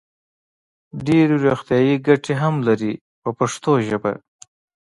ډېرې روغتیايي ګټې هم لري په پښتو ژبه.